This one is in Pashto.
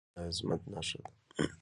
• بښنه د عظمت نښه ده.